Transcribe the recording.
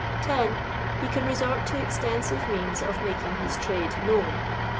(10) He can resort to extensive means of making his trade known.